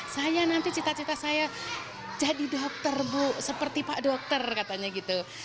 saya nanti cita cita saya jadi dokter bu seperti pak dokter katanya gitu